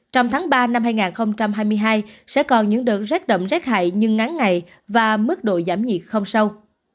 trong tháng ba năm hai nghìn hai mươi hai sẽ còn những đợt rét đậm rét hại nhưng ngắn ngày và mức độ giảm nhiệt không sâu